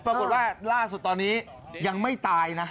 ปรากฏว่าล่าสุดตอนนี้ยังไม่ตายนะ